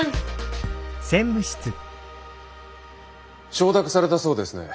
承諾されたそうですね。